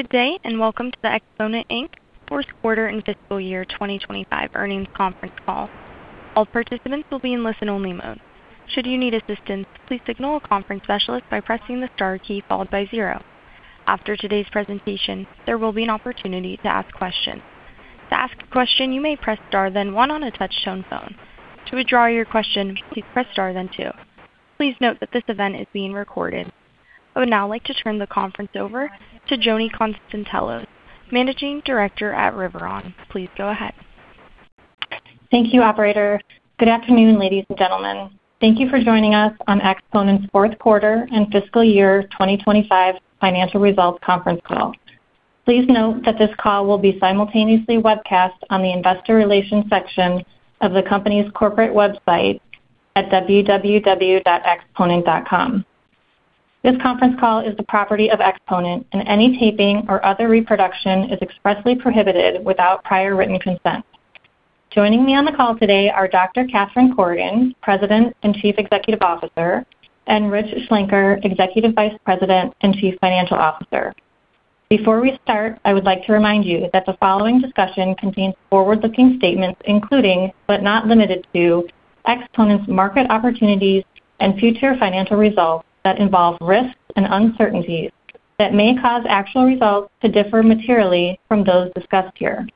Good day, and welcome to the Exponent, Inc. Fourth Quarter and Fiscal Year 2025 earnings conference call. All participants will be in listen-only mode. Should you need assistance, please signal a conference specialist by pressing the star key followed by zero. After today's presentation, there will be an opportunity to ask questions. To ask a question, you may press star then one on a touchtone phone. To withdraw your question, please press star then two. Please note that this event is being recorded. I would now like to turn the conference over to Joni Konstantelos, Managing Director at Riveron. Please go ahead. Thank you, operator. Good afternoon, ladies and gentlemen. Thank you for joining us on Exponent's Fourth Quarter and Fiscal Year 2025 financial results conference call. Please note that this call will be simultaneously webcast on the investor relations section of the company's corporate website at www.exponent.com. This conference call is the property of Exponent, and any taping or other reproduction is expressly prohibited without prior written consent. Joining me on the call today are Catherine Corrigan, President and Chief Executive Officer; and Rich Schlenker, Executive Vice President and Chief Financial Officer. Before we start, I would like to remind you that the following discussion contains forward-looking statements, including, but not limited to, Exponent's market opportunities and future financial results that involve risks and uncertainties that may cause actual results to differ materially from those discussed here.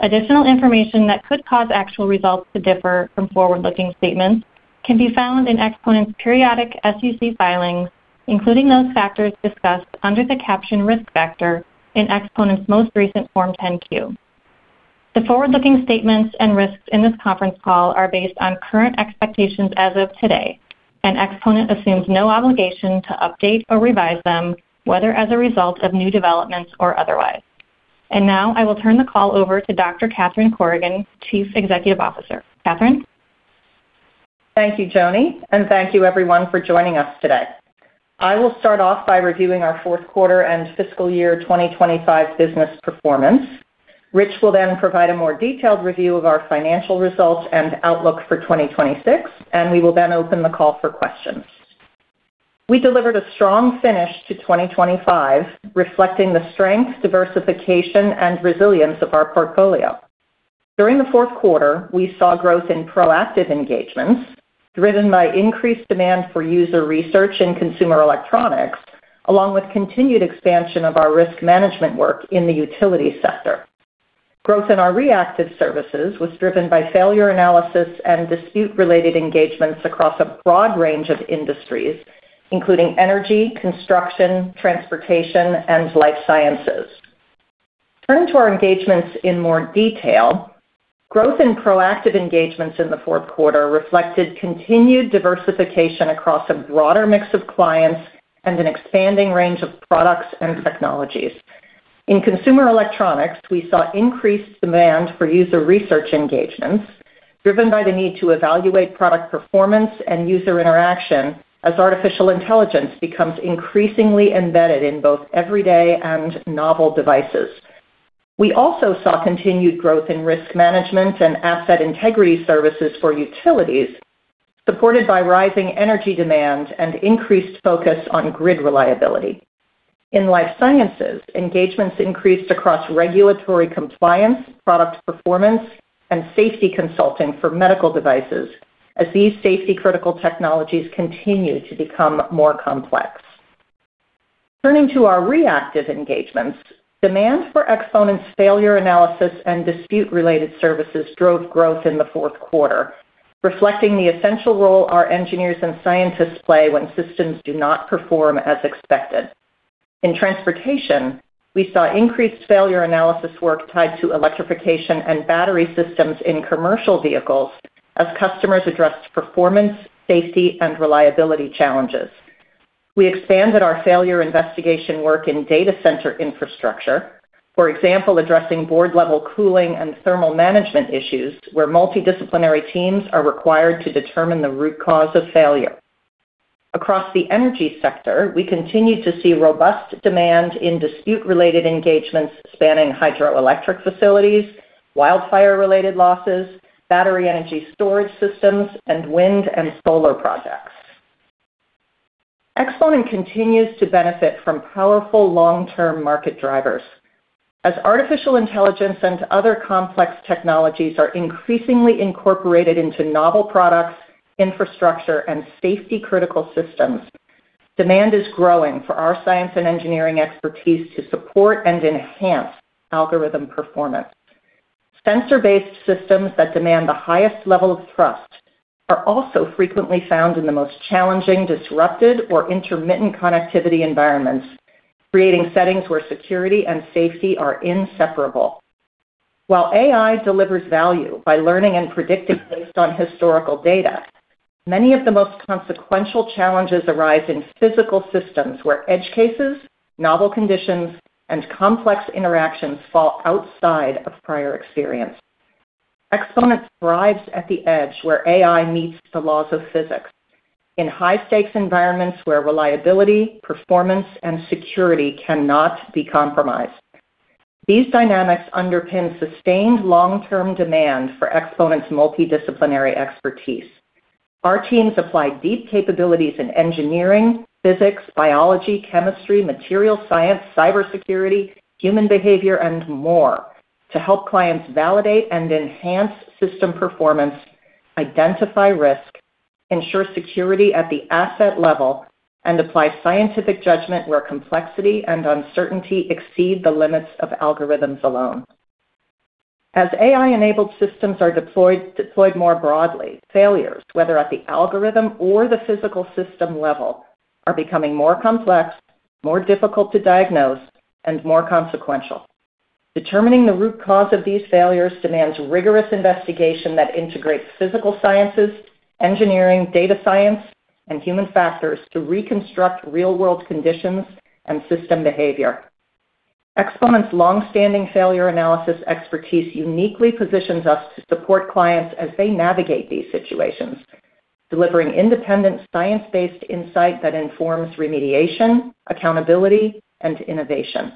Additional information that could cause actual results to differ from forward-looking statements can be found in Exponent's periodic SEC filings, including those factors discussed under the caption Risk Factor in Exponent's most recent Form 10-Q. The forward-looking statements and risks in this conference call are based on current expectations as of today, and Exponent assumes no obligation to update or revise them, whether as a result of new developments or otherwise. Now I will turn the call over to Dr. Catherine Corrigan, Chief Executive Officer. Catherine? Thank you, Joni, and thank you everyone for joining us today. I will start off by reviewing our fourth quarter and fiscal year 2025 business performance. Rich will then provide a more detailed review of our financial results and outlook for 2026, and we will then open the call for questions. We delivered a strong finish to 2025, reflecting the strength, diversification, and resilience of our portfolio. During the fourth quarter, we saw growth in proactive engagements, driven by increased demand for user research and consumer electronics, along with continued expansion of our risk management work in the utility sector. Growth in our reactive services was driven by failure analysis and dispute-related engagements across a broad range of industries, including energy, construction, transportation, and life sciences. Turning to our engagements in more detail, growth in proactive engagements in the fourth quarter reflected continued diversification across a broader mix of clients and an expanding range of products and technologies. In consumer electronics, we saw increased demand for user research engagements, driven by the need to evaluate product performance and user interaction as artificial intelligence becomes increasingly embedded in both everyday and novel devices. We also saw continued growth in risk management and asset integrity services for utilities, supported by rising energy demand and increased focus on grid reliability. In life sciences, engagements increased across regulatory compliance, product performance, and safety consulting for medical devices, as these safety-critical technologies continue to become more complex. Turning to our reactive engagements, demand for Exponent's failure analysis and dispute-related services drove growth in the fourth quarter, reflecting the essential role our engineers and scientists play when systems do not perform as expected. In transportation, we saw increased failure analysis work tied to electrification and battery systems in commercial vehicles as customers addressed performance, safety, and reliability challenges. We expanded our failure investigation work in data center infrastructure, for example, addressing board-level cooling and thermal management issues, where multidisciplinary teams are required to determine the root cause of failure. Across the energy sector, we continued to see robust demand in dispute-related engagements spanning hydroelectric facilities, wildfire-related losses, battery energy storage systems, and wind and solar projects. Exponent continues to benefit from powerful long-term market drivers. As artificial intelligence and other complex technologies are increasingly incorporated into novel products, infrastructure, and safety-critical systems, demand is growing for our science and engineering expertise to support and enhance algorithm performance. Sensor-based systems that demand the highest level of trust are also frequently found in the most challenging, disrupted, or intermittent connectivity environments, creating settings where security and safety are inseparable. While AI delivers value by learning and predicting based on historical data, many of the most consequential challenges arise in physical systems, where edge cases, novel conditions, and complex interactions fall outside of prior experience. Exponent thrives at the edge, where AI meets the laws of physics, in high-stakes environments where reliability, performance, and security cannot be compromised. These dynamics underpin sustained long-term demand for Exponent's multidisciplinary expertise. Our teams apply deep capabilities in engineering, physics, biology, chemistry, material science, cybersecurity, human behavior, and more to help clients validate and enhance system performance, identify risk, ensure security at the asset level, and apply scientific judgment where complexity and uncertainty exceed the limits of algorithms alone. As AI-enabled systems are deployed, deployed more broadly, failures, whether at the algorithm or the physical system level, are becoming more complex, more difficult to diagnose, and more consequential. Determining the root cause of these failures demands rigorous investigation that integrates physical sciences, engineering, data science, and human factors to reconstruct real-world conditions and system behavior. Exponent's long-standing failure analysis expertise uniquely positions us to support clients as they navigate these situations, delivering independent, science-based insight that informs remediation, accountability, and innovation.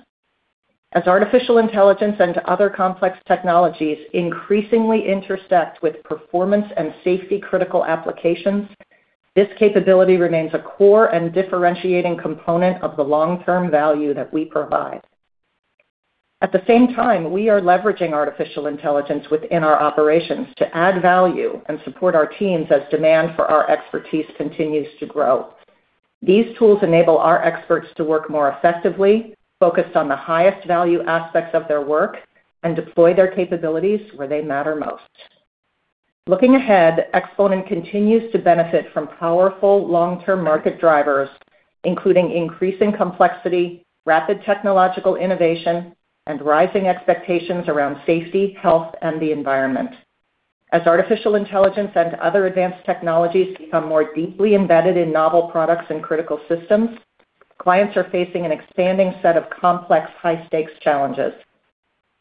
As artificial intelligence and other complex technologies increasingly intersect with performance and safety-critical applications, this capability remains a core and differentiating component of the long-term value that we provide. At the same time, we are leveraging artificial intelligence within our operations to add value and support our teams as demand for our expertise continues to grow. These tools enable our experts to work more effectively, focused on the highest value aspects of their work, and deploy their capabilities where they matter most. Looking ahead, Exponent continues to benefit from powerful long-term market drivers, including increasing complexity, rapid technological innovation, and rising expectations around safety, health, and the environment. As artificial intelligence and other advanced technologies become more deeply embedded in novel products and critical systems, clients are facing an expanding set of complex, high-stakes challenges.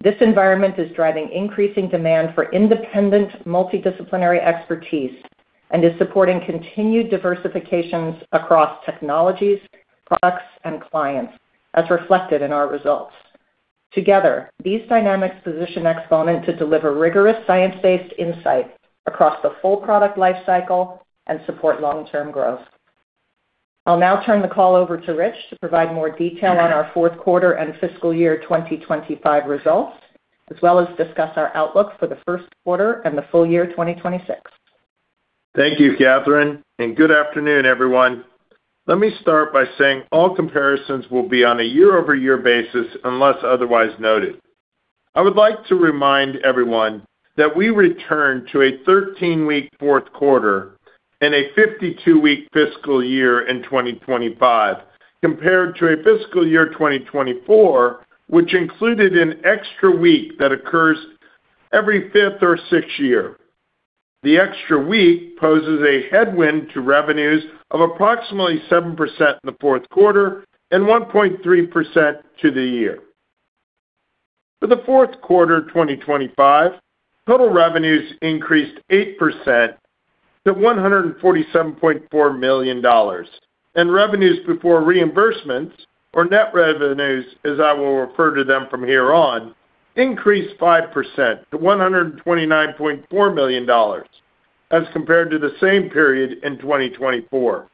This environment is driving increasing demand for independent, multidisciplinary expertise and is supporting continued diversifications across technologies, products, and clients, as reflected in our results. Together, these dynamics position Exponent to deliver rigorous, science-based insight across the full product lifecycle and support long-term growth. I'll now turn the call over to Rich to provide more detail on our fourth quarter and fiscal year 2025 results, as well as discuss our outlook for the first quarter and the full year 2026. Thank you, Catherine, and good afternoon, everyone. Let me start by saying all comparisons will be on a year-over-year basis, unless otherwise noted. I would like to remind everyone that we returned to a 13-week fourth quarter and a 52-week fiscal year in 2025, compared to a fiscal year 2024, which included an extra week that occurs every fifth or sixth year. The extra week poses a headwind to revenues of approximately 7% in the fourth quarter and 1.3% to the year. For the fourth quarter of 2025, total revenues increased 8% to $147.4 million, and revenues before reimbursements, or net revenues, as I will refer to them from here on, increased 5% to $129.4 million, as compared to the same period in 2024.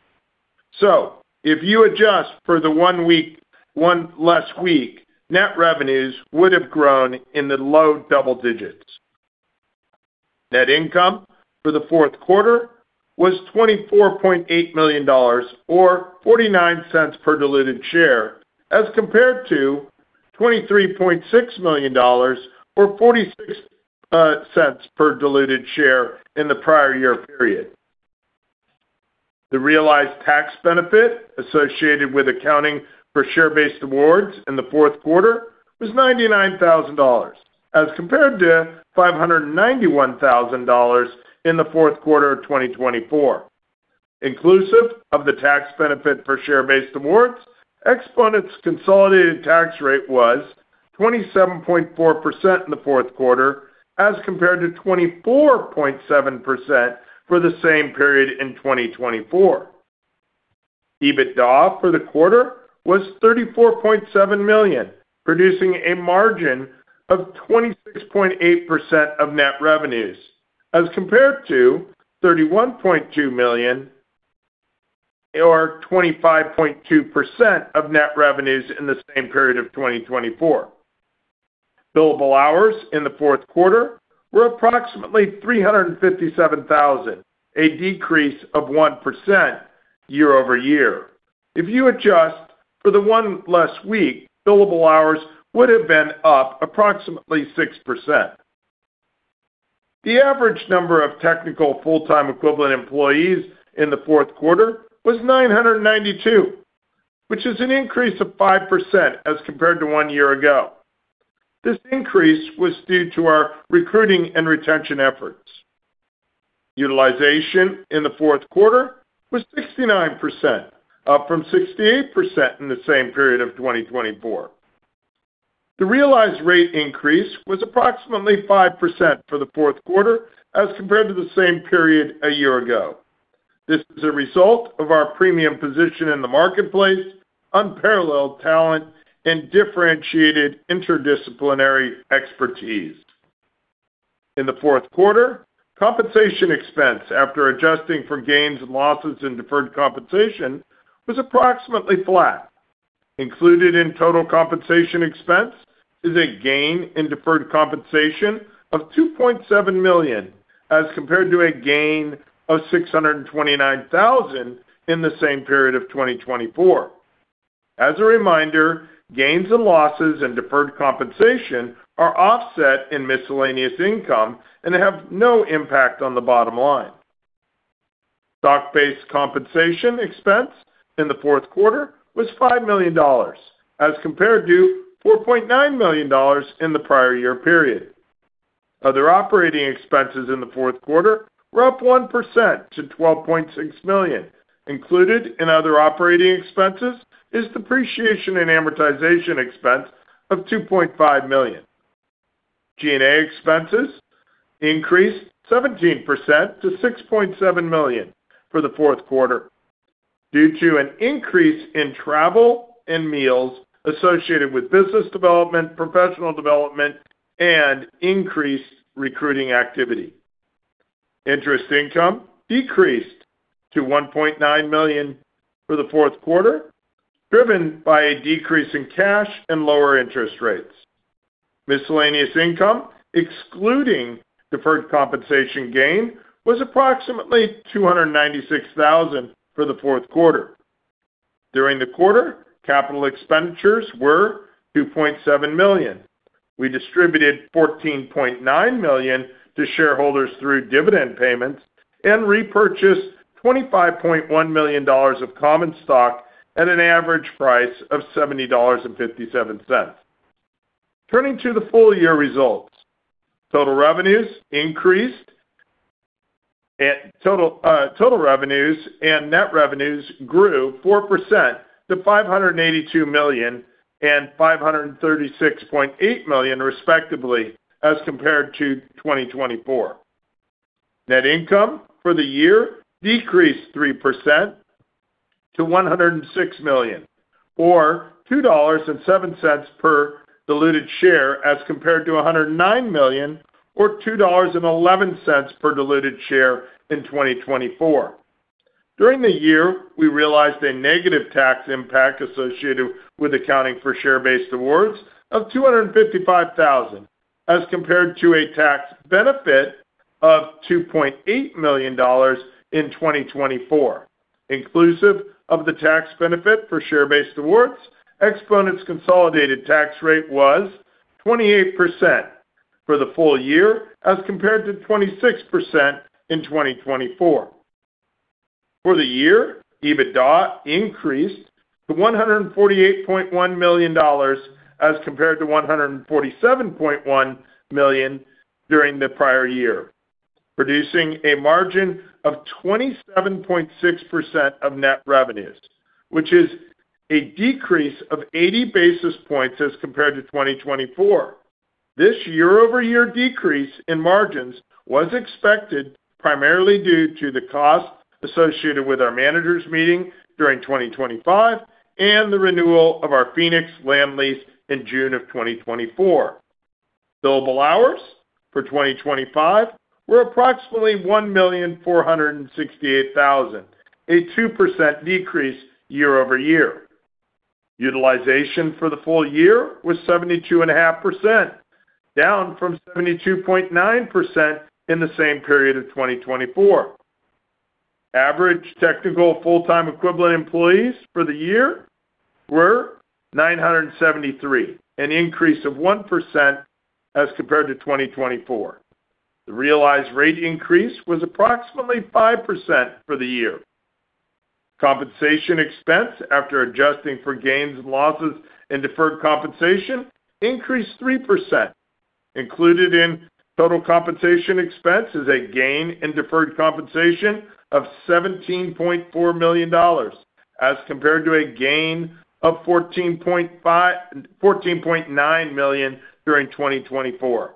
So if you adjust for the one week, one less week, net revenues would have grown in the low double digits. Net income for the fourth quarter was $24.8 million or $0.49 per diluted share, as compared to $23.6 million or $0.46 per diluted share in the prior year period. The realized tax benefit associated with accounting for share-based awards in the fourth quarter was $99,000, as compared to $591,000 in the fourth quarter of 2024. Inclusive of the tax benefit for share-based awards, Exponent's consolidated tax rate was 27.4% in the fourth quarter, as compared to 24.7% for the same period in 2024. EBITDA for the quarter was $34.7 million, producing a margin of 26.8% of net revenues, as compared to $31.2 million or 25.2% of net revenues in the same period of 2024. Billable hours in the fourth quarter were approximately 357,000, a decrease of 1% year-over-year. If you adjust for the one less week, billable hours would have been up approximately 6%. The average number of technical full-time equivalent employees in the fourth quarter was 992, which is an increase of 5% as compared to one year ago. This increase was due to our recruiting and retention efforts. Utilization in the fourth quarter was 69%, up from 68% in the same period of 2024. The realized rate increase was approximately 5% for the fourth quarter as compared to the same period a year ago. This is a result of our premium position in the marketplace, unparalleled talent, and differentiated interdisciplinary expertise. In the fourth quarter, compensation expense, after adjusting for gains and losses in deferred compensation, was approximately flat. Included in total compensation expense is a gain in deferred compensation of $2.7 million, as compared to a gain of $629,000 in the same period of 2024. As a reminder, gains and losses in deferred compensation are offset in miscellaneous income and have no impact on the bottom line. Stock-based compensation expense in the fourth quarter was $5 million, as compared to $4.9 million in the prior year period. Other operating expenses in the fourth quarter were up 1% to $12.6 million. Included in other operating expenses is depreciation and amortization expense of $2.5 million. G&A expenses increased 17% to $6.7 million for the fourth quarter, due to an increase in travel and meals associated with business development, professional development, and increased recruiting activity. Interest income decreased to $1.9 million for the fourth quarter, driven by a decrease in cash and lower interest rates. Miscellaneous income, excluding deferred compensation gain, was approximately $296,000 for the fourth quarter. During the quarter, capital expenditures were $2.7 million. We distributed $14.9 million to shareholders through dividend payments and repurchased $25.1 million of common stock at an average price of $70.57. Turning to the full-year results, total revenues increased. Total revenues and net revenues grew 4% to $582 million and $536.8 million, respectively, as compared to 2024. Net income for the year decreased 3% to $106 million, or $2.07 per diluted share, as compared to $109 million, or $2.11 per diluted share in 2024. During the year, we realized a negative tax impact associated with accounting for share-based awards of $255,000, as compared to a tax benefit of $2.8 million in 2024. Inclusive of the tax benefit for share-based awards, Exponent's consolidated tax rate was 28% for the full year, as compared to 26% in 2024. For the year, EBITDA increased to $148.1 million, as compared to $147.1 million during the prior year, producing a margin of 27.6% of net revenues, which is a decrease of 80 basis points as compared to 2024. This year-over-year decrease in margins was expected primarily due to the cost associated with our managers' meeting during 2025 and the renewal of our Phoenix land lease in June of 2024. Billable hours for 2025 were approximately 1,468,000, a 2% decrease year-over-year. Utilization for the full year was 72.5%, down from 72.9% in the same period of 2024. Average technical full-time equivalent employees for the year were 973, an increase of 1% as compared to 2024. The realized rate increase was approximately 5% for the year. Compensation expense, after adjusting for gains and losses in deferred compensation, increased 3%. Included in total compensation expense is a gain in deferred compensation of $17.4 million, as compared to a gain of $14.9 million during 2024.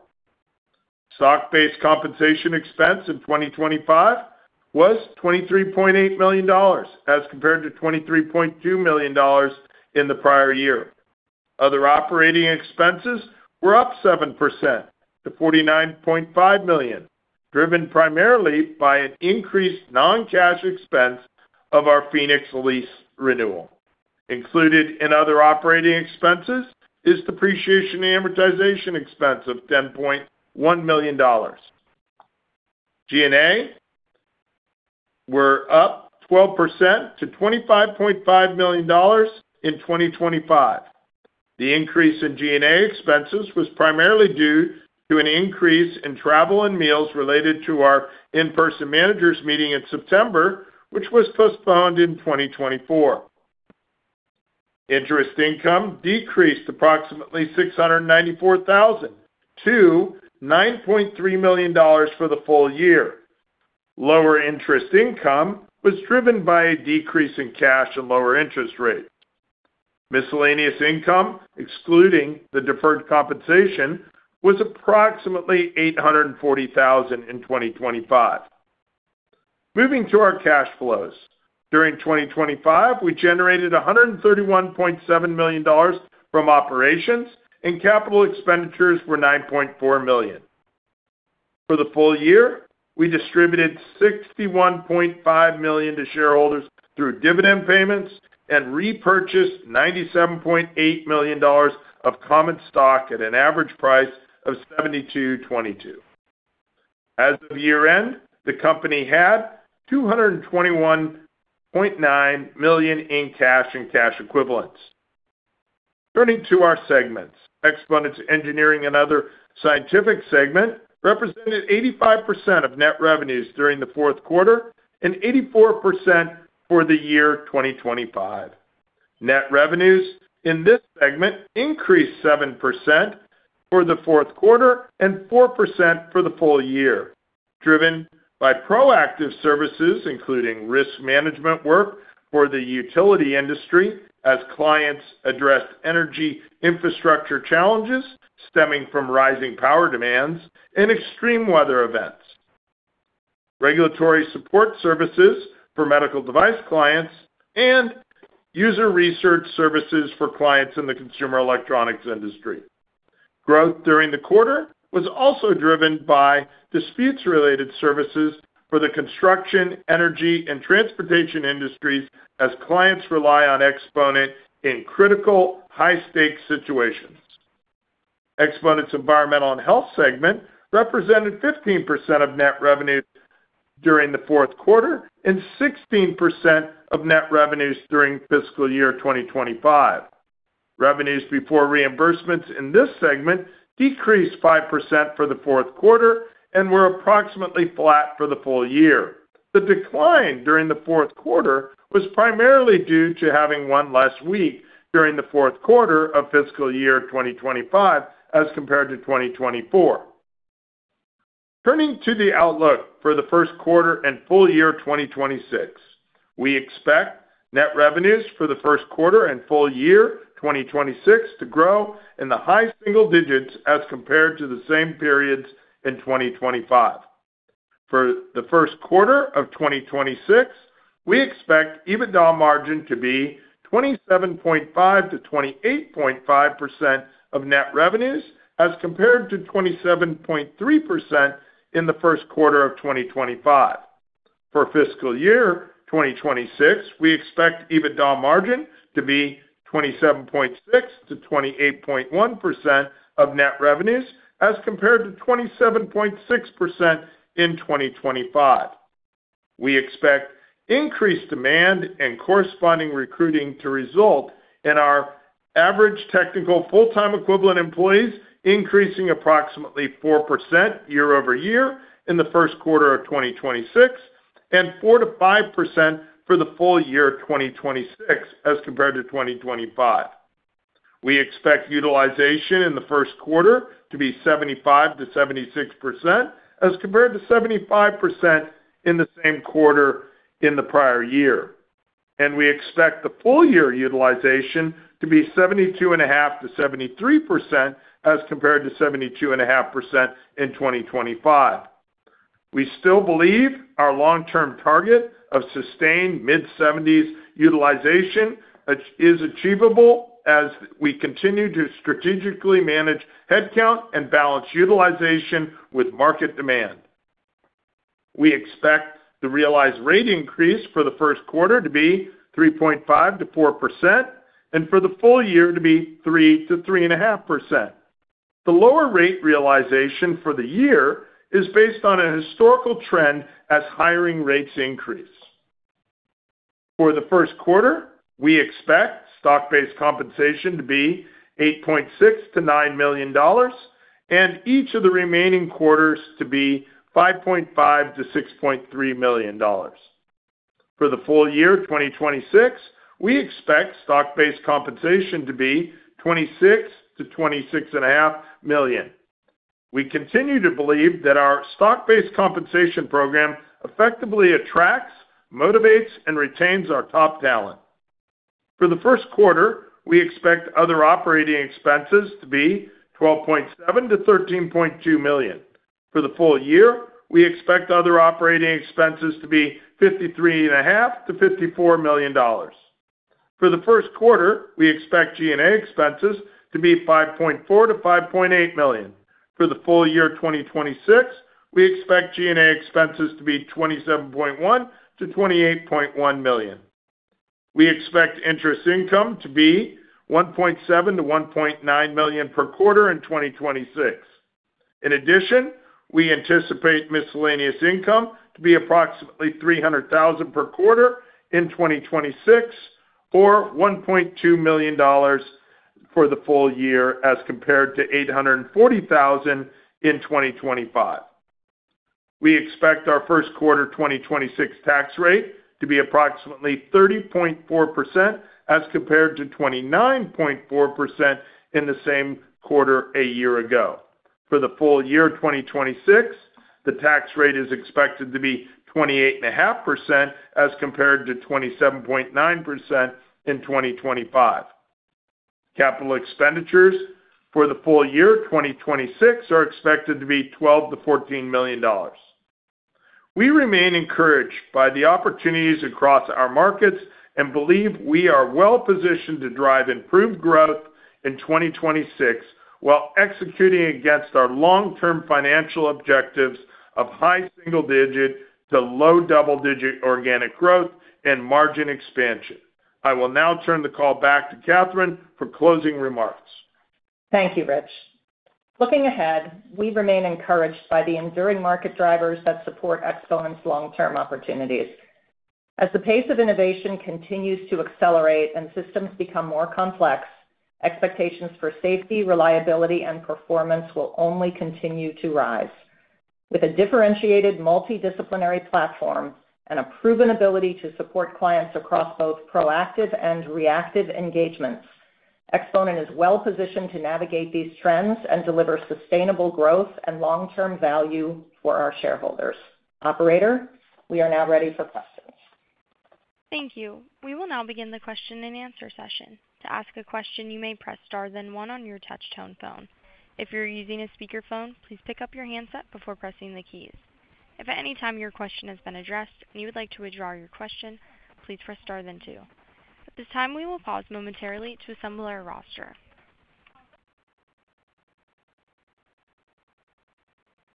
Stock-based compensation expense in 2025 was $23.8 million, as compared to $23.2 million in the prior year. Other operating expenses were up 7% to $49.5 million, driven primarily by an increased non-cash expense of our Phoenix lease renewal. Included in other operating expenses is depreciation and amortization expense of $10.1 million. G&A were up 12% to $25.5 million in 2025. The increase in G&A expenses was primarily due to an increase in travel and meals related to our in-person managers' meeting in September, which was postponed in 2024. Interest income decreased approximately $694,000 to $9.3 million for the full year. Lower interest income was driven by a decrease in cash and lower interest rates. Miscellaneous income, excluding the deferred compensation, was approximately $840,000 in 2025. Moving to our cash flows. During 2025, we generated $131.7 million from operations, and capital expenditures were $9.4 million. For the full year, we distributed $61.5 million to shareholders through dividend payments and repurchased $97.8 million of common stock at an average price of $72.22. As of year-end, the company had $221.9 million in cash and cash equivalents. Turning to our segments. Exponent's engineering and other scientific segment represented 85% of net revenues during the fourth quarter and 84% for the year 2025. Net revenues in this segment increased 7% for the fourth quarter and 4% for the full year, driven by proactive services, including risk management work for the utility industry as clients address energy infrastructure challenges stemming from rising power demands and extreme weather events, regulatory support services for medical device clients, and user research services for clients in the consumer electronics industry. Growth during the quarter was also driven by disputes-related services for the construction, energy, and transportation industries as clients rely on Exponent in critical, high-stakes situations. Exponent's environmental and health segment represented 15% of net revenue during the fourth quarter and 16% of net revenues during fiscal year 2025. Revenues before reimbursements in this segment decreased 5% for the fourth quarter and were approximately flat for the full year. The decline during the fourth quarter was primarily due to having one less week during the fourth quarter of fiscal year 2025 as compared to 2024. Turning to the outlook for the first quarter and full year 2026. We expect net revenues for the first quarter and full year 2026 to grow in the high single digits as compared to the same periods in 2025. For the first quarter of 2026, we expect EBITDA margin to be 27.5%-28.5% of net revenues, as compared to 27.3% in the first quarter of 2025. For fiscal year 2026, we expect EBITDA margin to be 27.6%-28.1% of net revenues, as compared to 27.6% in 2025. We expect increased demand and corresponding recruiting to result in our average technical full-time equivalent employees increasing approximately 4% year-over-year in the first quarter of 2026 and 4%-5% for the full year 2026 as compared to 2025. We expect utilization in the first quarter to be 75%-76%, as compared to 75% in the same quarter in the prior year. We expect the full year utilization to be 72.5%-73%, as compared to 72.5% in 2025. We still believe our long-term target of sustained mid-seventies utilization is achievable as we continue to strategically manage headcount and balance utilization with market demand. We expect the realized rate increase for the first quarter to be 3.5%-4%, and for the full year to be 3%-3.5%. The lower rate realization for the year is based on a historical trend as hiring rates increase. For the first quarter, we expect stock-based compensation to be $8.6 million-$9 million, and each of the remaining quarters to be $5.5 million-$6.3 million. For the full year 2026, we expect stock-based compensation to be $26 million-$26.5 million. We continue to believe that our stock-based compensation program effectively attracts, motivates, and retains our top talent. For the first quarter, we expect other operating expenses to be $12.7 million-$13.2 million. For the full year, we expect other operating expenses to be $53.5 million-$54 million. For the first quarter, we expect G&A expenses to be $5.4 million-$5.8 million. For the full year 2026, we expect G&A expenses to be $27.1 million-$28.1 million. We expect interest income to be $1.7 million-$1.9 million per quarter in 2026. In addition, we anticipate miscellaneous income to be approximately $300,000 per quarter in 2026, or $1.2 million for the full year, as compared to $840,000 in 2025. We expect our first quarter 2026 tax rate to be approximately 30.4%, as compared to 29.4% in the same quarter a year ago. For the full year 2026, the tax rate is expected to be 28.5% as compared to 27.9% in 2025. Capital expenditures for the full year 2026 are expected to be $12 million-$14 million. We remain encouraged by the opportunities across our markets and believe we are well positioned to drive improved growth in 2026, while executing against our long-term financial objectives of high single digit to low double-digit organic growth and margin expansion. I will now turn the call back to Catherine for closing remarks. Thank you, Rich. Looking ahead, we remain encouraged by the enduring market drivers that support Exponent's long-term opportunities. As the pace of innovation continues to accelerate and systems become more complex, expectations for safety, reliability, and performance will only continue to rise. With a differentiated multidisciplinary platform and a proven ability to support clients across both proactive and reactive engagements, Exponent is well positioned to navigate these trends and deliver sustainable growth and long-term value for our shareholders. Operator, we are now ready for questions. Thank you. We will now begin the question-and-answer session. To ask a question, you may press star, then one on your touchtone phone. If you're using a speakerphone, please pick up your handset before pressing the keys. If at any time your question has been addressed, and you would like to withdraw your question, please press star then two. At this time, we will pause momentarily to assemble our roster.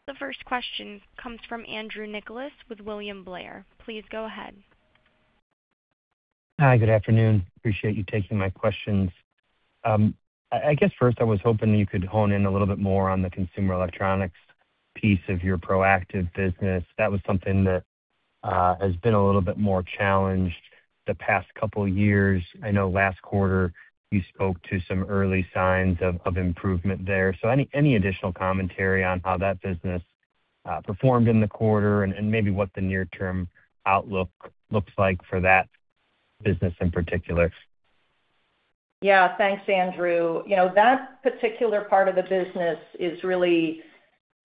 The first question comes from Andrew Nicholas with William Blair. Please go ahead. Hi, good afternoon. Appreciate you taking my questions. I guess first, I was hoping you could hone in a little bit more on the consumer electronics piece of your proactive business. That was something that has been a little bit more challenged the past couple of years. I know last quarter you spoke to some early signs of improvement there. So any additional commentary on how that business performed in the quarter and maybe what the near-term outlook looks like for that business in particular? Yeah, thanks, Andrew. You know, that particular part of the business is really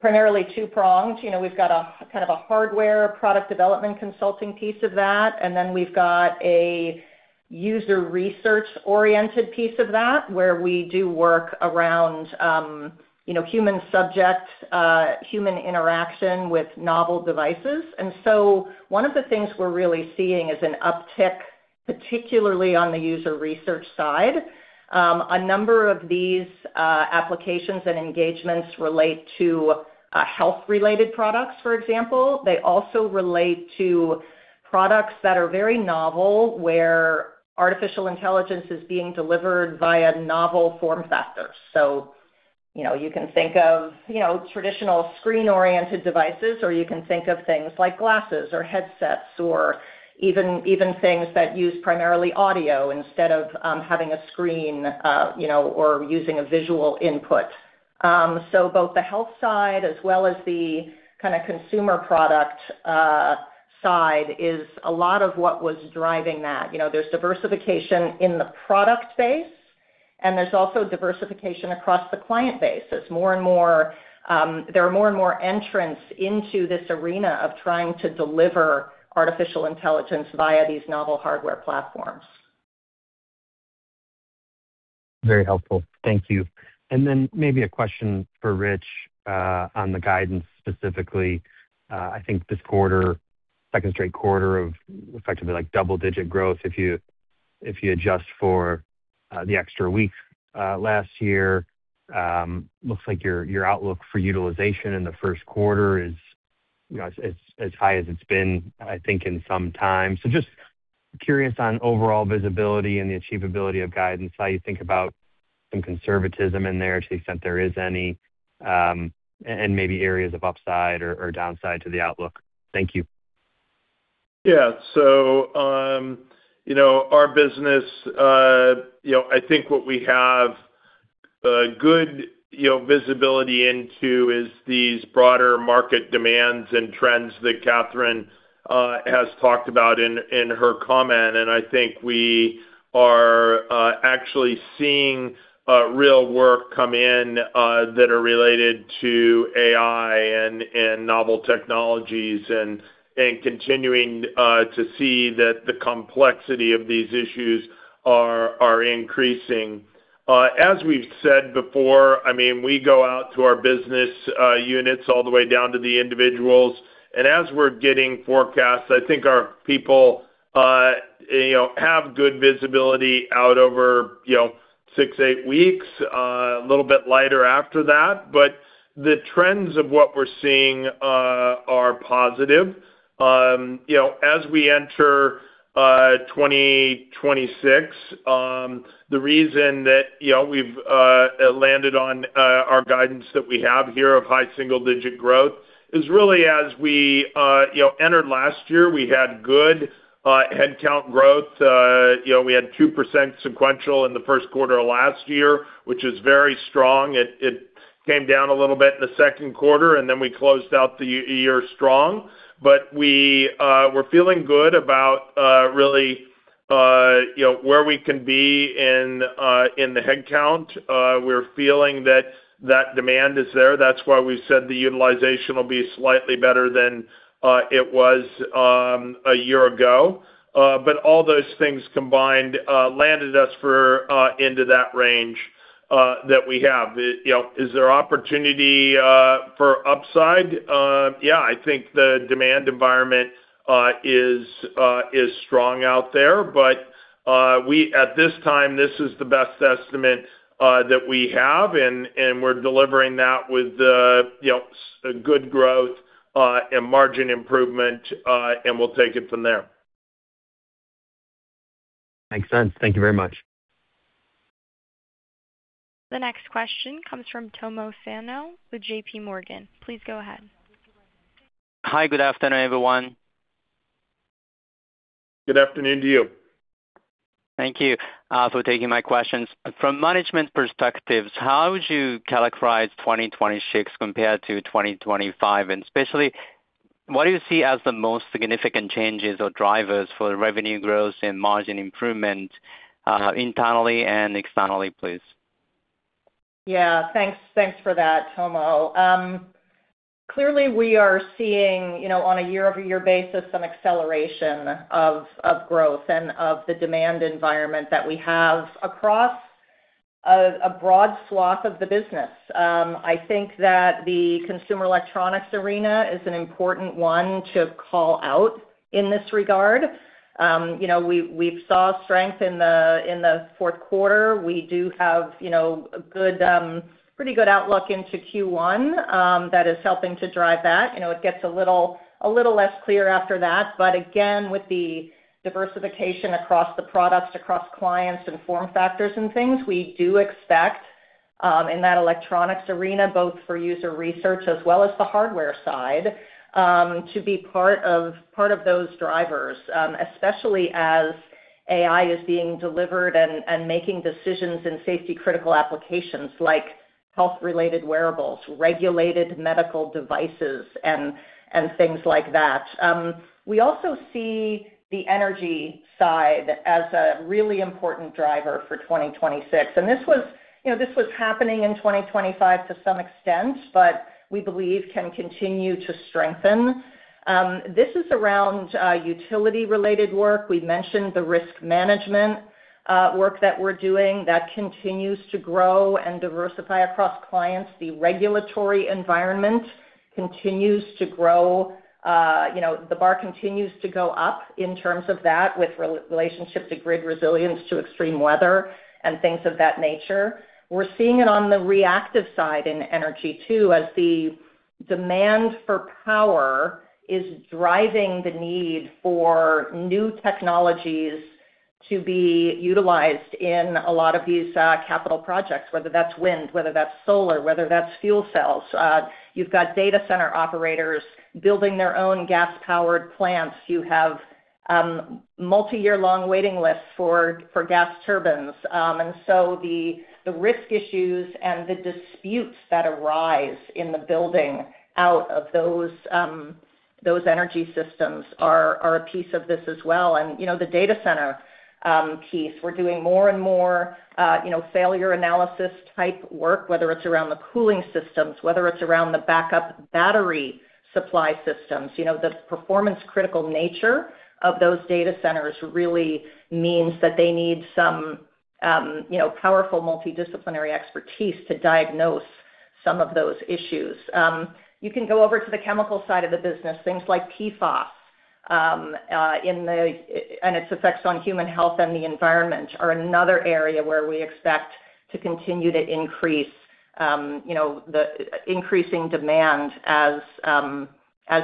primarily two-pronged. You know, we've got a kind of a hardware product development consulting piece of that, and then we've got a user research-oriented piece of that, where we do work around, you know, human subject, human interaction with novel devices. And so one of the things we're really seeing is an uptick, particularly on the user research side. A number of these applications and engagements relate to health-related products, for example. They also relate to products that are very novel, where artificial intelligence is being delivered via novel form factors. So, you know, you can think of, you know, traditional screen-oriented devices, or you can think of things like glasses or headsets or even, even things that use primarily audio instead of having a screen, you know, or using a visual input. So both the health side as well as the kind of consumer product side is a lot of what was driving that. You know, there's diversification in the product base, and there's also diversification across the client base. There's more and more, there are more and more entrants into this arena of trying to deliver artificial intelligence via these novel hardware platforms. Very helpful. Thank you. And then maybe a question for Rich, on the guidance specifically. I think this quarter, second straight quarter of effectively like double-digit growth, if you, if you adjust for, the extra weeks, last year. Looks like your, your outlook for utilization in the first quarter is, you know, as, as high as it's been, I think, in some time. So just curious on overall visibility and the achievability of guidance, how you think about some conservatism in there, to the extent there is any, and maybe areas of upside or, or downside to the outlook. Thank you. Yeah. So, you know, our business, you know, I think what we have, good, you know, visibility into is these broader market demands and trends that Catherine has talked about in her comment, and I think we are actually seeing real work come in that are related to AI and novel technologies and continuing to see that the complexity of these issues are increasing. As we've said before, I mean, we go out to our business units all the way down to the individuals, and as we're getting forecasts, I think our people, you know, have good visibility out over, you know, six to eight weeks, a little bit lighter after that. But the trends of what we're seeing are positive. You know, as we enter 2026, the reason that, you know, we've landed on our guidance that we have here of high single digit growth is really as we, you know, entered last year, we had good headcount count growth. You know, we had 2% sequential in the first quarter of last year, which is very strong. It, it came down a little bit in the second quarter, and then we closed out the year strong. But we, we're feeling good about really you know, where we can be in in the headcount, we're feeling that that demand is there. That's why we said the utilization will be slightly better than it was a year ago. But all those things combined landed us into that range that we have. You know, is there opportunity for upside? Yeah, I think the demand environment is strong out there. But at this time, this is the best estimate that we have, and we're delivering that with, you know, a good growth and margin improvement, and we'll take it from there. Makes sense. Thank you very much. The next question comes from Tomo Sano with JPMorgan. Please go ahead. Hi, good afternoon, everyone. Good afternoon to you. Thank you, for taking my questions. From management perspectives, how would you characterize 2026 compared to 2025? And especially, what do you see as the most significant changes or drivers for revenue growth and margin improvement, internally and externally, please? Yeah, thanks. Thanks for that, Tomo. Clearly, we are seeing, you know, on a year-over-year basis, some acceleration of growth and of the demand environment that we have across a broad swath of the business. I think that the consumer electronics arena is an important one to call out in this regard. You know, we, we've saw strength in the fourth quarter. We do have, you know, a good, pretty good outlook into Q1, that is helping to drive that. You know, it gets a little less clear after that. But again, with the diversification across the products, across clients and form factors and things, we do expect, in that electronics arena, both for user research as well as the hardware side, to be part of those drivers. Especially as AI is being delivered and making decisions in safety-critical applications like health-related wearables, regulated medical devices, and things like that. We also see the energy side as a really important driver for 2026, and this was, you know, this was happening in 2025 to some extent, but we believe can continue to strengthen. This is around utility-related work. We've mentioned the risk management work that we're doing. That continues to grow and diversify across clients. The regulatory environment continues to grow. You know, the bar continues to go up in terms of that, with relationship to grid resilience, to extreme weather and things of that nature. We're seeing it on the reactive side in energy, too, as the demand for power is driving the need for new technologies to be utilized in a lot of these capital projects, whether that's wind, whether that's solar, whether that's fuel cells. You've got data center operators building their own gas-powered plants. You have multiyear long waiting lists for gas turbines. And so the risk issues and the disputes that arise in the building out of those energy systems are a piece of this as well. And, you know, the data center piece, we're doing more and more, you know, failure analysis type work, whether it's around the cooling systems, whether it's around the backup battery supply systems. You know, the performance critical nature of those data centers really means that they need some, you know, powerful multidisciplinary expertise to diagnose some of those issues. You can go over to the chemical side of the business, things like PFAS and its effects on human health and the environment are another area where we expect to continue to increase, you know, the increasing demand as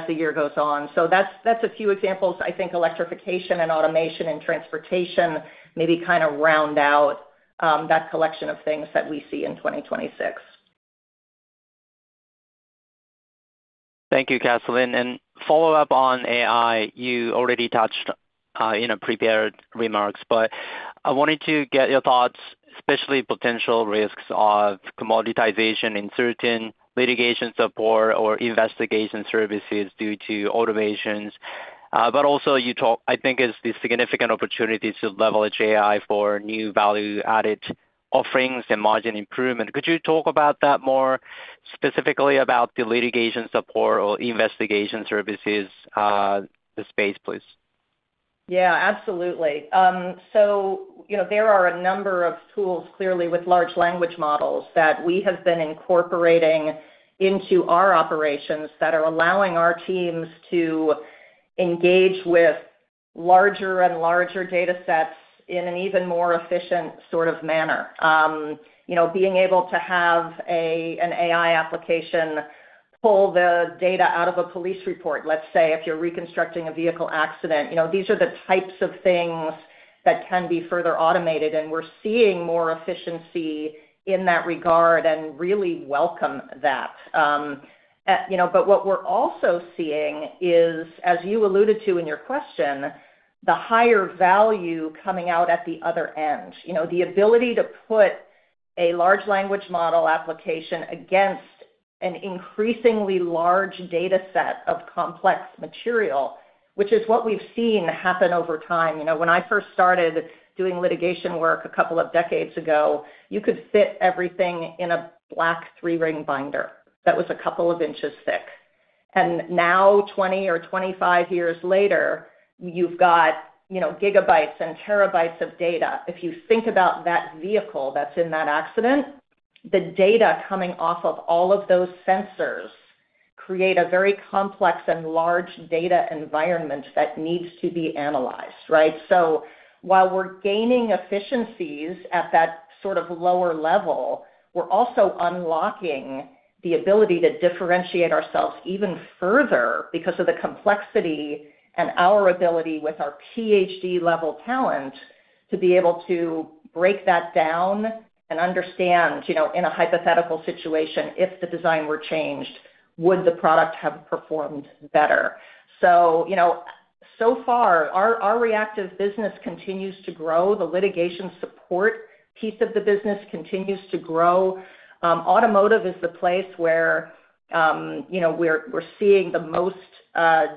the year goes on. So that's, that's a few examples. I think electrification and automation and transportation maybe kind of round out that collection of things that we see in 2026. Thank you, Kathleen. Follow up on AI, you already touched in a prepared remarks, but I wanted to get your thoughts, especially potential risks of commoditization in certain litigation support or investigation services due to automations. But also you talk, I think, is the significant opportunities to leverage AI for new value-added offerings and margin improvement. Could you talk about that more, specifically about the litigation support or investigation services, the space, please? Yeah, absolutely. So, you know, there are a number of tools, clearly, with large language models that we have been incorporating into our operations that are allowing our teams to engage with larger and larger data sets in an even more efficient sort of manner. You know, being able to have an AI application pull the data out of a police report, let's say, if you're reconstructing a vehicle accident, you know, these are the types of things that can be further automated, and we're seeing more efficiency in that regard and really welcome that. You know, but what we're also seeing is, as you alluded to in your question, the higher value coming out at the other end. You know, the ability to put-... a large language model application against an increasingly large data set of complex material, which is what we've seen happen over time. You know, when I first started doing litigation work a couple of decades ago, you could fit everything in a black three-ring binder that was a couple of inches thick. Now, 20 or 25 years later, you've got, you know, gigabytes and terabytes of data. If you think about that vehicle that's in that accident, the data coming off of all of those sensors create a very complex and large data environment that needs to be analyzed, right? So while we're gaining efficiencies at that sort of lower level, we're also unlocking the ability to differentiate ourselves even further because of the complexity and our ability with our PhD-level talent, to be able to break that down and understand, you know, in a hypothetical situation, if the design were changed, would the product have performed better? So, you know, so far, our reactive business continues to grow. The litigation support piece of the business continues to grow. Automotive is the place where, you know, we're seeing the most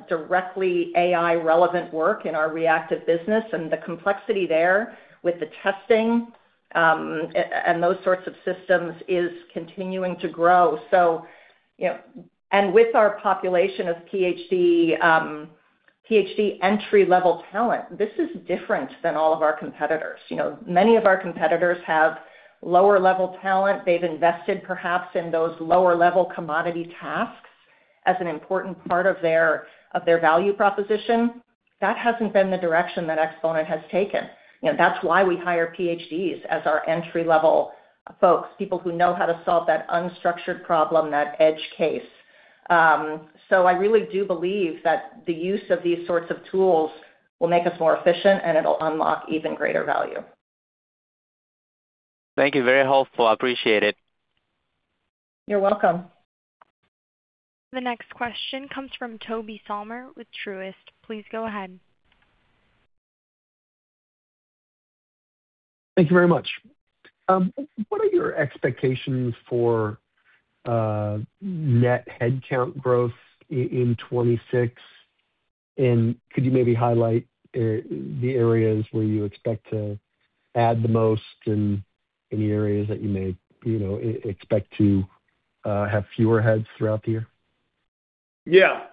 directly AI-relevant work in our reactive business, and the complexity there with the testing and those sorts of systems is continuing to grow. So, you know... And with our population of PhD entry-level talent, this is different than all of our competitors. You know, many of our competitors have lower-level talent. They've invested perhaps in those lower-level commodity tasks as an important part of their value proposition. That hasn't been the direction that Exponent has taken. You know, that's why we hire PhDs as our entry-level folks, people who know how to solve that unstructured problem, that edge case. So I really do believe that the use of these sorts of tools will make us more efficient, and it'll unlock even greater value. Thank you. Very helpful. I appreciate it. You're welcome. The next question comes from Tobey Sommer with Truist. Please go ahead. Thank you very much. What are your expectations for net headcount growth in 2026? And could you maybe highlight the areas where you expect to add the most and any areas that you may, you know, expect to have fewer heads throughout the year? Yeah.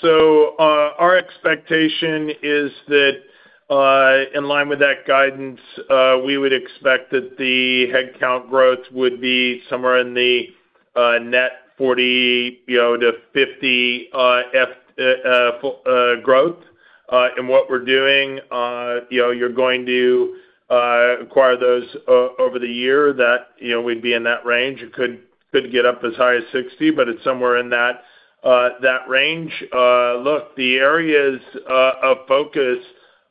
So, our expectation is that, in line with that guidance, we would expect that the headcount growth would be somewhere in the net 40-50, you know, growth. And what we're doing, you know, you're going to acquire those over the year that, you know, we'd be in that range. It could get up as high as 60, but it's somewhere in that range. Look, the areas of focus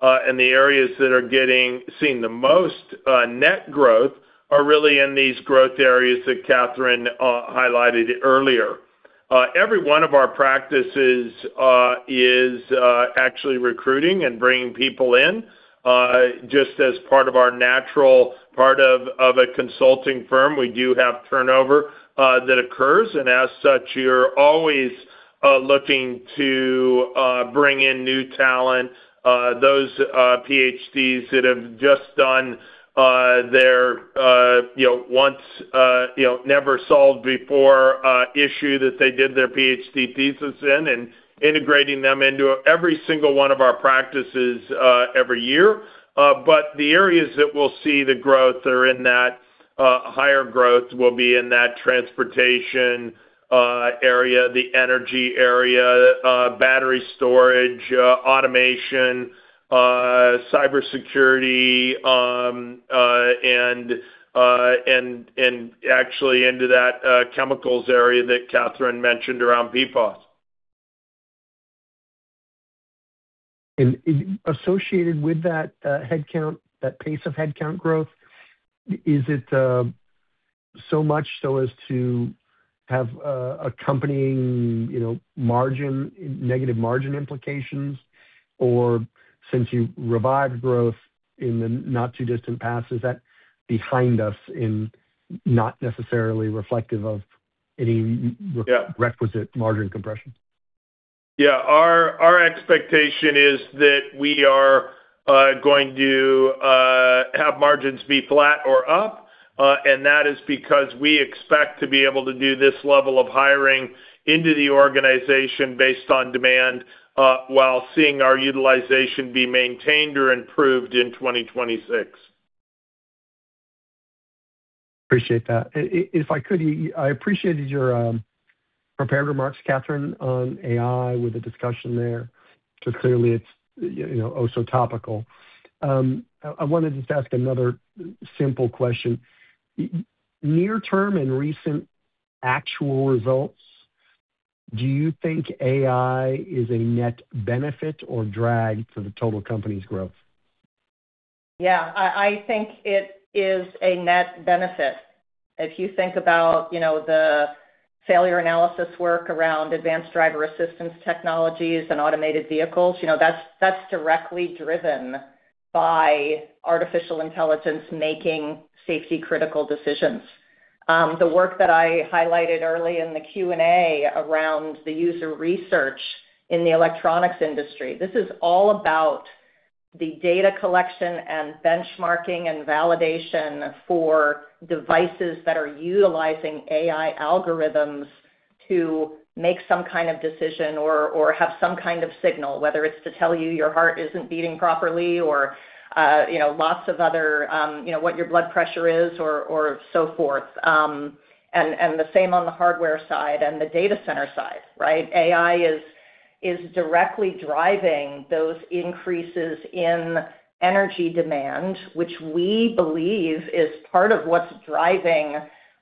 and the areas that are seeing the most net growth are really in these growth areas that Catherine highlighted earlier. Every one of our practices is actually recruiting and bringing people in. Just as part of our natural part of a consulting firm, we do have turnover that occurs, and as such, you're always looking to bring in new talent, those PhDs that have just done their, you know, ones, you know, never solved before issue that they did their PhD thesis in, and integrating them into every single one of our practices every year. But the areas that we'll see the growth are in that higher growth will be in that transportation area, the energy area, battery storage, automation, cybersecurity, and actually into that chemicals area that Catherine mentioned around PFAS. Associated with that headcount, that pace of headcount growth, is it so much so as to have accompanying, you know, margin, negative margin implications? Or since you revived growth in the not too distant past, is that behind us in not necessarily reflective of any- Yeah ...requisite margin compression? Yeah. Our expectation is that we are going to have margins be flat or up, and that is because we expect to be able to do this level of hiring into the organization based on demand, while seeing our utilization be maintained or improved in 2026. Appreciate that. And if I could, I appreciated your prepared remarks, Catherine, on AI with the discussion there, because clearly it's, you know, so topical. I wanna just ask another simple question. Near term and recent actual results, do you think AI is a net benefit or drag to the total company's growth? Yeah. I think it is a net benefit, if you think about, you know, the failure analysis work around advanced driver assistance technologies and automated vehicles, you know, that's directly driven by artificial intelligence making safety-critical decisions. The work that I highlighted early in the Q&A around the user research in the electronics industry, this is all about the data collection and benchmarking and validation for devices that are utilizing AI algorithms to make some kind of decision or, or have some kind of signal, whether it's to tell you your heart isn't beating properly or, you know, lots of other, you know, what your blood pressure is or, or so forth. And the same on the hardware side and the data center side, right? AI is directly driving those increases in energy demand, which we believe is part of what's driving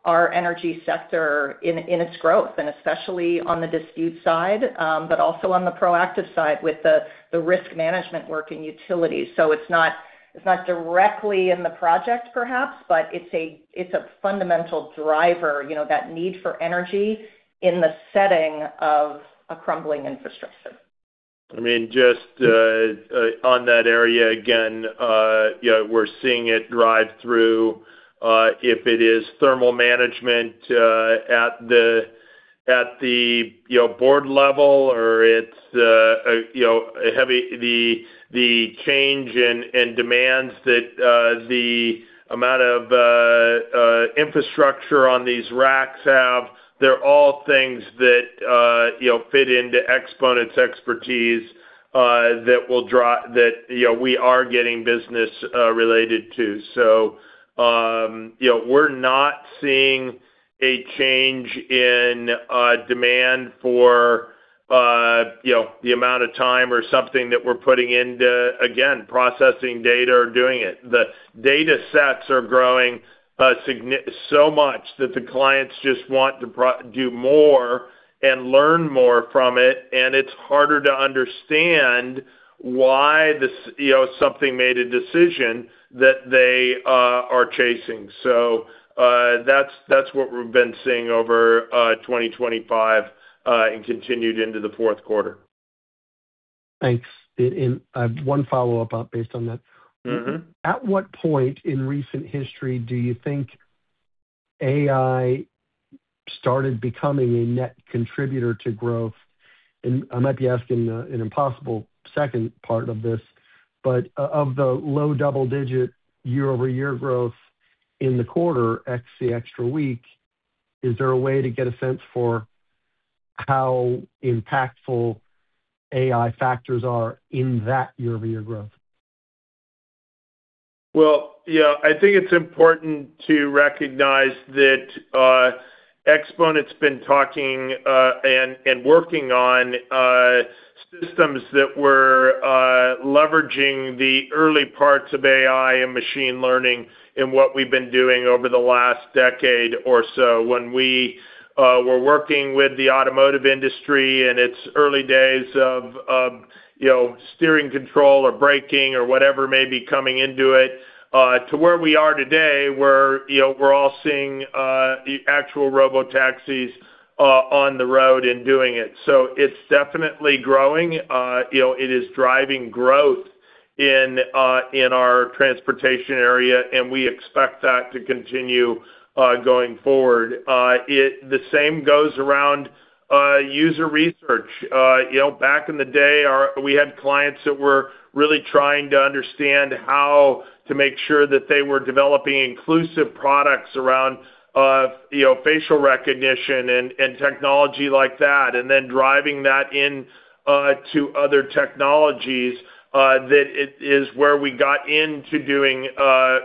our energy sector in its growth, and especially on the dispute side, but also on the proactive side with the risk management work in utilities. So it's not directly in the project perhaps, but it's a fundamental driver, you know, that need for energy in the setting of a crumbling infrastructure. I mean, just on that area again, you know, we're seeing it drive through, if it is thermal management at the board level, or it's, you know, the change in demands that the amount of infrastructure on these racks have. They're all things that, you know, fit into Exponent's expertise, that will that, you know, we are getting business related to. So, you know, we're not seeing a change in demand for, you know, the amount of time or something that we're putting into, again, processing data or doing it. The data sets are growing so much that the clients just want to do more and learn more from it, and it's harder to understand why this. You know, something made a decision that they are chasing. So, that's, that's what we've been seeing over 2025 and continued into the fourth quarter. Thanks. And I have one follow-up, based on that. Mm-hmm. At what point in recent history do you think AI started becoming a net contributor to growth? And I might be asking an impossible second part of this, but of the low double-digit year-over-year growth in the quarter, ex the extra week, is there a way to get a sense for how impactful AI factors are in that year-over-year growth? Well, yeah, I think it's important to recognize that, Exponent's been talking and working on systems that were leveraging the early parts of AI and machine learning in what we've been doing over the last decade or so, when we were working with the automotive industry in its early days of, you know, steering control or braking or whatever may be coming into it, to where we are today, where, you know, we're all seeing the actual robotaxis on the road and doing it. So it's definitely growing. You know, it is driving growth in our transportation area, and we expect that to continue going forward. The same goes around user research. You know, back in the day, we had clients that were really trying to understand how to make sure that they were developing inclusive products around, you know, facial recognition and, and technology like that, and then driving that in, to other technologies, that it is where we got into doing,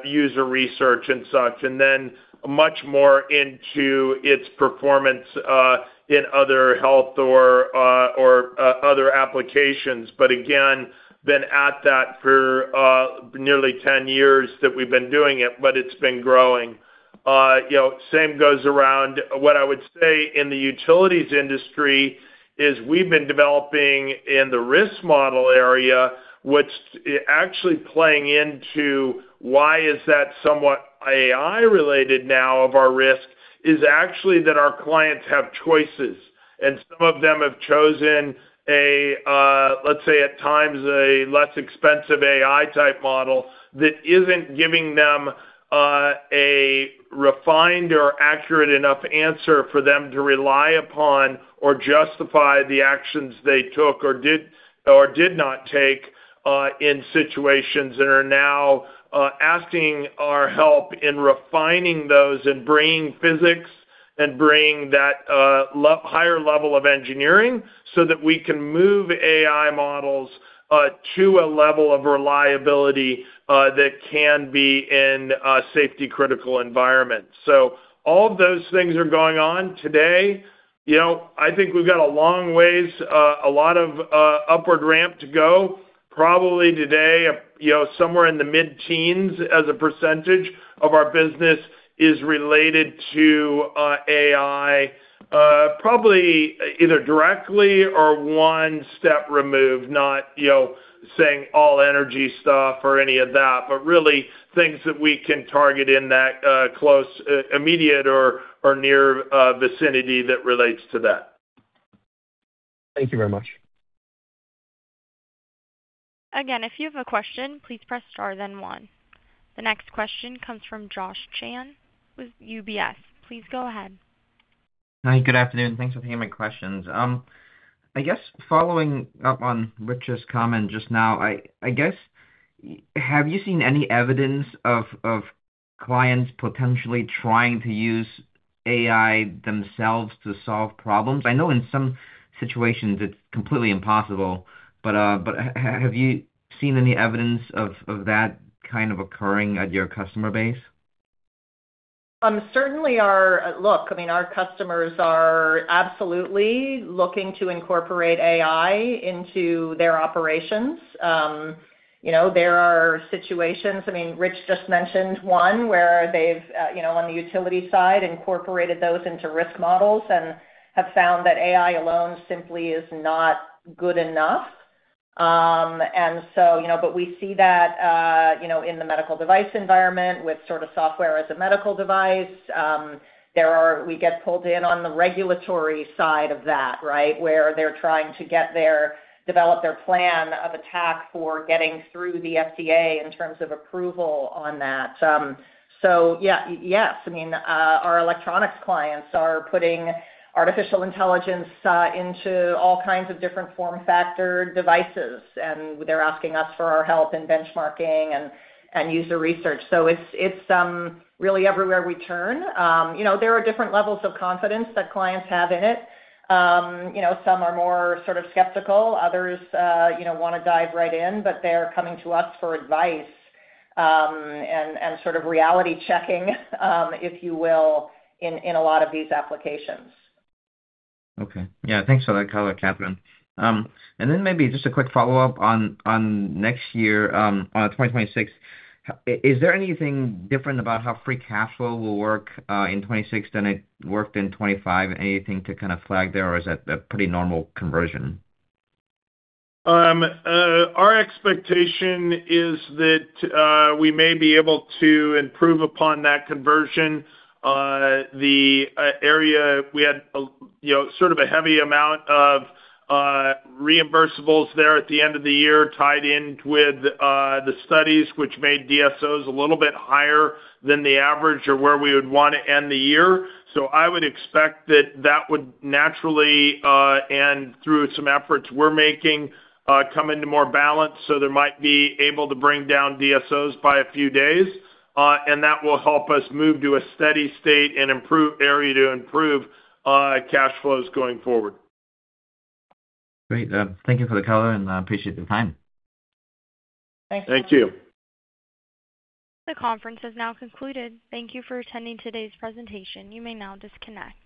user research and such, and then much more into its performance, in other health or, or other applications. But again, been at that for nearly 10 years that we've been doing it, but it's been growing. You know, same goes around. What I would say in the utilities industry is we've been developing in the risk model area, which, actually playing into why is that somewhat AI related now of our risk, is actually that our clients have choices, and some of them have chosen a, let's say, at times, a less expensive AI-type model that isn't giving them, a refined or accurate enough answer for them to rely upon or justify the actions they took or did or did not take, in situations, and are now, asking our help in refining those and bringing physics and bringing that, higher level of engineering so that we can move AI models, to a level of reliability, that can be in a safety-critical environment. So all of those things are going on today. You know, I think we've got a long ways, a lot of, upward ramp to go. Probably today, you know, somewhere in the mid-teens% of our business is related to, AI.... Probably either directly or one step removed, not, you know, saying all energy stuff or any of that, but really things that we can target in that, close, immediate or near, vicinity that relates to that. Thank you very much. Again, if you have a question, please press star then one. The next question comes from Josh Chan with UBS. Please go ahead. Hi, good afternoon. Thanks for taking my questions. I guess following up on Richard's comment just now, I guess, have you seen any evidence of clients potentially trying to use AI themselves to solve problems? I know in some situations it's completely impossible, but have you seen any evidence of that kind of occurring at your customer base? Certainly our, look, I mean, our customers are absolutely looking to incorporate AI into their operations. You know, there are situations, I mean, Rich just mentioned one where they've, you know, on the utility side, incorporated those into risk models and have found that AI alone simply is not good enough. And so, you know, but we see that, you know, in the medical device environment with sort of software as a medical device. There are, we get pulled in on the regulatory side of that, right? Where they're trying to get their, develop their plan of attack for getting through the FDA in terms of approval on that. So yeah. Yes, I mean, our electronics clients are putting artificial intelligence into all kinds of different form factor devices, and they're asking us for our help in benchmarking and user research. So it's really everywhere we turn. You know, there are different levels of confidence that clients have in it. You know, some are more sort of skeptical, others, you know, want to dive right in, but they're coming to us for advice, and sort of reality checking, if you will, in a lot of these applications. Okay. Yeah, thanks for that color, Catherine. And then maybe just a quick follow-up on next year, on 2026. Is there anything different about how free cash flow will work in 2026 than it worked in 2025? Anything to kind of flag there, or is that a pretty normal conversion? Our expectation is that we may be able to improve upon that conversion. The area we had a, you know, sort of a heavy amount of reimbursables there at the end of the year, tied in with the studies, which made DSOs a little bit higher than the average or where we would want to end the year. So I would expect that that would naturally and through some efforts we're making come into more balance, so there might be able to bring down DSOs by a few days, and that will help us move to a steady state and improve area to improve cash flows going forward. Great. Thank you for the color, and I appreciate the time. Thanks. Thank you. The conference has now concluded. Thank you for attending today's presentation. You may now disconnect.